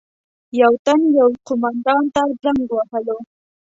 یو تن یو قومندان ته زنګ وهلو.